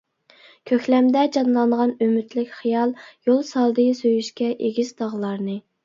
كۆكلەمدە جانلانغان ئۈمىدلىك خىيال، يول سالدى سۆيۈشكە ئېگىز تاغلارنى.